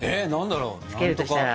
付けるとしたら。